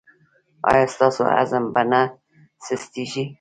ایا ستاسو عزم به نه سستیږي؟